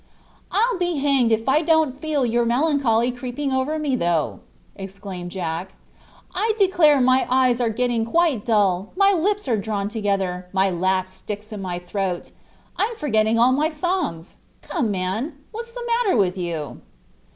"I'll be hanged if I don't feel your melancholy creeping over me though!" exclaimed Jack. "I declare my eyes are getting quite dull, my lips are drawn together, my laugh sticks in my throat; I'm forgetting all my songs. Come, man, what's the matter with you?"